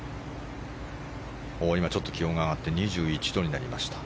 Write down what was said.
今、ちょっと気温が上がって２１度になりました。